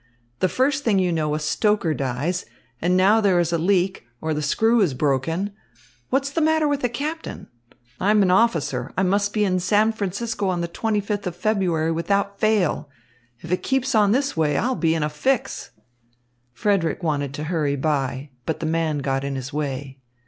The first thing you know a stoker dies, and now there is a leak, or the screw is broken. What's the matter with the captain? I am an officer. I must be in San Francisco on the twenty fifth of February, without fail. If it keeps on this way, I'll be in a fix." Frederick wanted to hurry by, but the man got in his way.